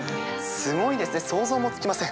すごいですね、想像もつきません。